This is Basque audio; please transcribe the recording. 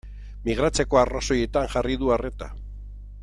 Migratzeko arrazoietan jarri du arreta.